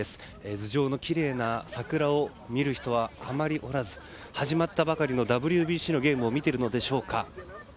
頭上のきれいな桜を見る人はあまりおらず始まったばかりのＷＢＣのゲームを見ているのでしょうか。